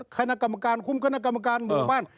คณะกรรมการคุ้มคณะกรรมการหมู่บ้าน